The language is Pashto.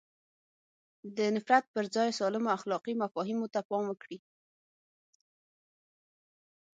د نفرت پر ځای سالمو اخلاقي مفاهیمو ته پام وکړي.